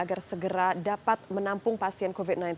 agar segera dapat menampung pasien covid sembilan belas